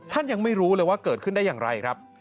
ยังไม่รู้เลยว่าเกิดขึ้นได้อย่างไรครับ